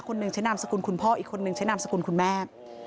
หนึ่งใช้นามสกุลคุณพ่ออีกคนนึงใช้นามสกุลคุณแม่